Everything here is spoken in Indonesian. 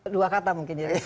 dua kata mungkin ya